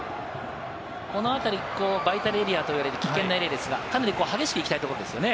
この辺りバイタルエリアと呼ばれる危険なエリアですが、激しく行きたいところですよね。